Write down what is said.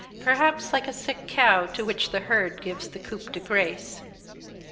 perhaps, like a sick cow to which the herd gives the coup de grace.